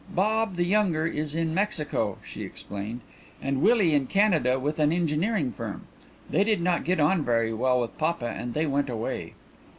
Bob, the younger, is in Mexico," she explained; "and Willie in Canada with an engineering firm. They did not get on very well with papa and they went away."